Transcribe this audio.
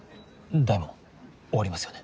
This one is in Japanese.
大門終わりますよね。